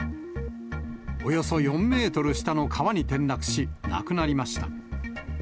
およそ４メートル下の川に転落し、亡くなりました。